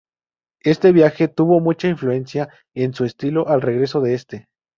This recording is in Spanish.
Este viaje tuvo mucha influencia en su estilo al regreso de este.